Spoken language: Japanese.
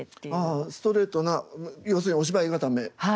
ああストレートな要するにお芝居固めですね。